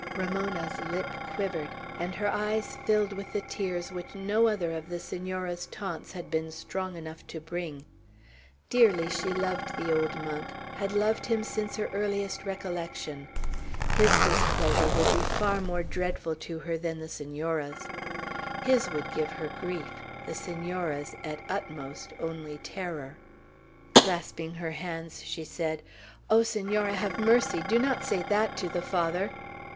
Ramona's lip quivered, and her eyes filled with the tears which no other of the Senora's taunts had been strong enough to bring. Dearly she loved the old monk; had loved him since her earliest recollection. His displeasure would be far more dreadful to her than the Senora's. His would give her grief; the Senora's, at utmost, only terror. Clasping her hands, she said, "Oh, Senora, have mercy! Do not say that to the Father!"